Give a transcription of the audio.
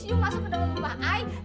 iu masuk ke rumah ayah